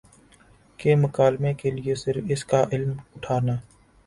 کہ مکالمے کے لیے صرف اس کا علم اٹھانا